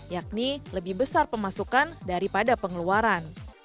yakni lebih besar pemasukan daripada pengeluaran